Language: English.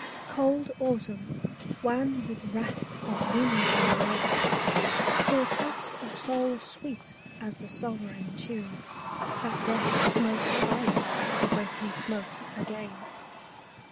Cold autumn, wan with wrath of wind and rain, Saw pass a soul sweet as the sovereign tune That death smote silent when he smote again.